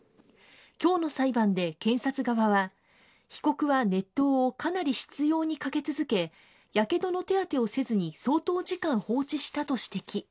きょうの裁判で検察側は、被告は熱湯をかなり執ようにかけ続け、やけどの手当てをせずに相当時間、放置したと指摘。